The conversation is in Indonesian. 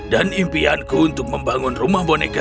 dan impianku untuk membangun rumah boneka